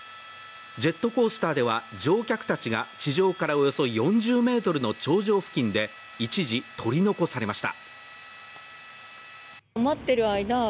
ジェットコースターでは乗客たちが地上からおよそ４０ｍの頂上付近で一時取り残されました。